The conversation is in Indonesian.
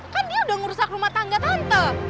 kan dia udah ngerusak rumah tangga tante